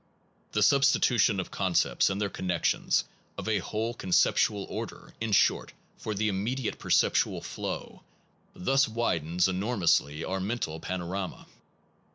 The substitution of concepts and their connections, of a whole conceptual order, in short, for the immediate perceptual flow, thus widens enormously our mental panorama.